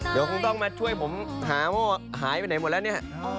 เดี๋ยวคงต้องมาช่วยผมหาว่าหายไปไหนหมดแล้วเนี่ย